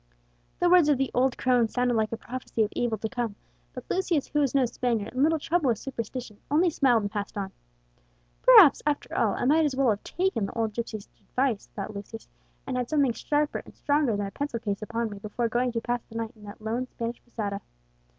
The words of the old crone sounded like a prophecy of evil to come; but Lucius, who was no Spaniard, and little troubled with superstition, only smiled and passed on. "Perhaps, after all, I might as well have taken the old gipsy's advice," thought Lucius, "and had something sharper and stronger than a pencil case upon me before going to pass the night in that lone Spanish posada."